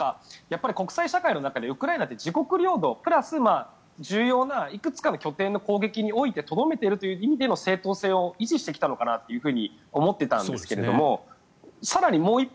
国際社会の中でウクライナって自国領土プラス重要ないくつかの拠点の攻撃においてとどめているという意味での正当性を維持してきたのかなと思っていたんですけれども更にもう一歩